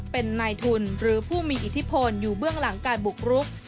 เป็นนายทุนหรือผู้มีอิทธิพลอยู่เบื้องหลังการบุกรุก